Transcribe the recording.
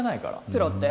プロって？